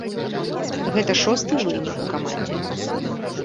Гэта шосты вынік у камандзе.